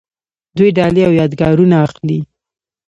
دوی ډالۍ او یادګارونه اخلي.